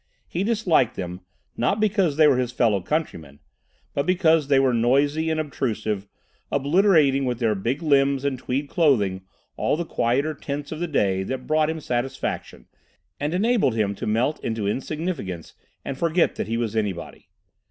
He disliked them, not because they were his fellow countrymen, but because they were noisy and obtrusive, obliterating with their big limbs and tweed clothing all the quieter tints of the day that brought him satisfaction and enabled him to melt into insignificance and forget that he was anybody.